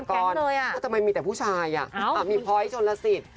ก็ไปกับเป็นแก๊งเลยอะอ๋ออ้าวมีพ้อยชนลสิต